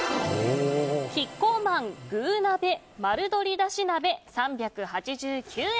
キッコーマン具鍋丸鶏だし鍋３８９円。